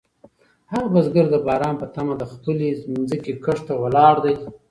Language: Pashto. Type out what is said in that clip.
هغه بزګر د باران په تمه د خپلې ځمکې کښت ته ولاړ دی.